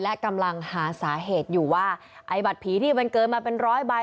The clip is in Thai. และกำลังหาสาเหตุอยู่ว่าไอ้บัตรผีที่มันเกินมาเป็นร้อยใบ